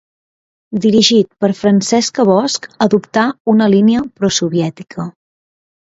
Dirigit per Francesca Bosch adoptà una línia prosoviètica.